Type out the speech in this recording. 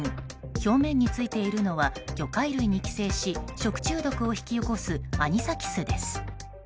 表面についているのは魚介類に寄生し食中毒を引き起こすアニサキスです。